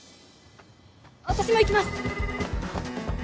私も行きます